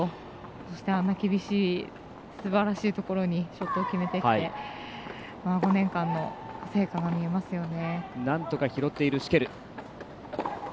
そして、あんなに厳しいすばらしいところにショットを決めてきて５年間の成果が見えますよね。